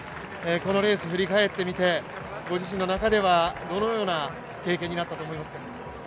このレース振り返ってみてご自身の中ではどのような経験になったと思いますか。